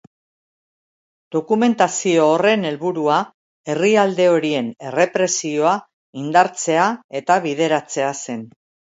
Dokumentazio horren helburua herrialde horien errepresioa indartzea eta bideratzea zen.